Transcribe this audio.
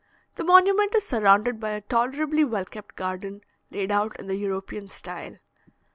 The monument is surrounded by a tolerably well kept garden, laid out in the European style.